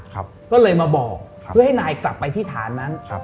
ก็เลยมาบอกเพื่อให้นายกลับไปที่ฐานนั้นครับ